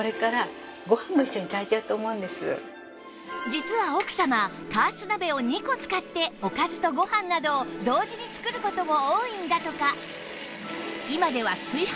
実は奥様加圧鍋を２個使っておかずとご飯などを同時に作る事も多いんだとか